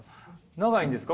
長いんですか？